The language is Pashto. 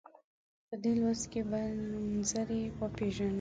په دې لوست کې به نومځري وپيژنو.